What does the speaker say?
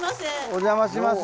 お邪魔します。